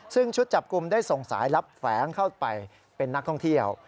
ซึ่งชุดจับกลุ่มได้ส่งสายลับแฝงเข้าไปเป็นนักท่องเที่ยว